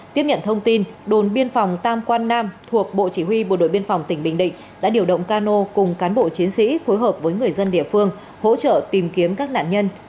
tiếp nhận thông tin đồn biên phòng tam quan nam thuộc bộ chỉ huy bộ đội biên phòng tỉnh bình định đã điều động cano cùng cán bộ chiến sĩ phối hợp với người dân địa phương hỗ trợ tìm kiếm các nạn nhân